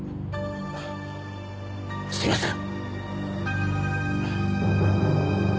すいません。